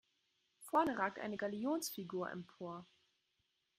Vorne ragt eine Galionsfigur empor.